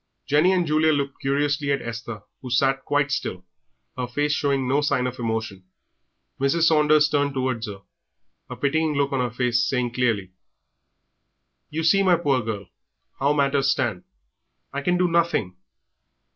Jenny and Julia looked curiously at Esther, who sat quite still, her face showing no sign of emotion. Mrs. Saunders turned towards her, a pitying look on her face, saying clearly, "You see, my poor girl, how matters stand; I can do nothing."